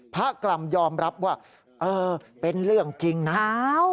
กล่ำยอมรับว่าเออเป็นเรื่องจริงนะ